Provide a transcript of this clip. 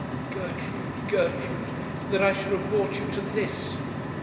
'Gertrude, Gertrude that I should have brought you to this!'